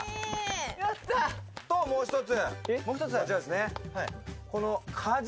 ともう一つ。